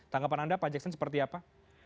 tanggapan anda pak jackson seperti apa